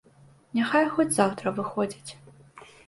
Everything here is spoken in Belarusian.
Няхай хоць заўтра выходзяць.